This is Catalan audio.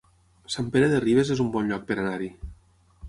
Sant Pere de Ribes es un bon lloc per anar-hi